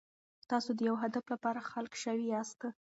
تاسو د یو هدف لپاره خلق شوي یاست.